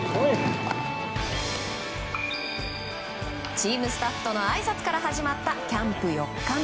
チームスタッフとのあいさつから始まったキャンプ４日目。